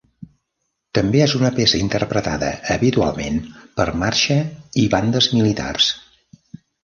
També és una peça interpretada habitualment per marxa i bandes militars.